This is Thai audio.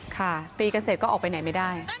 ค่ะตีเกษตรก็ออกไปไหนไม่ได้